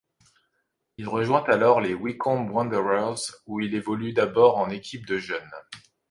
Il rejoint alors les Wycombe Wanderers où il évolue d'abord en équipes de jeunes.